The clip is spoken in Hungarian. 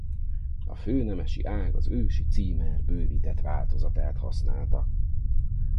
A főnemesi ág az ősi címer bővített változatát használta.